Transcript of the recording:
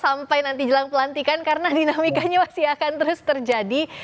sampai nanti jelang pelantikan karena dinamikanya masih akan terus terjadi